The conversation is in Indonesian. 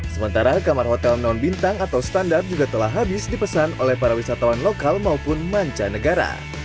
sementara kamar hotel non bintang atau standar juga telah habis dipesan oleh para wisatawan lokal maupun mancanegara